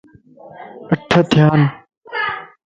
اَٺ ٿيا ان